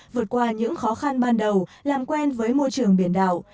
vượt qua những khó khăn ban đầu làm quen với môi trường biển đảo